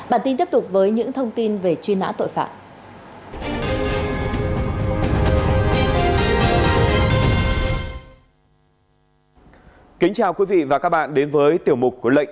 bản tin tiếp tục với những thông tin về truy nã tội phạm